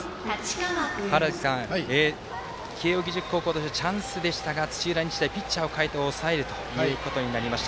川原崎さん慶応義塾高校としてはチャンスでしたが土浦日大ピッチャーを代えて抑えるということになりました。